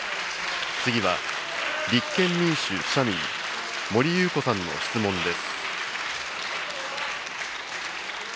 次は立憲民主・社民、森ゆうこさんの質問です。